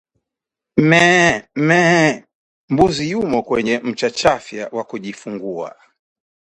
Meeh! Meeh! Mbuzi yumo kwenye mchachafya wa kujifungua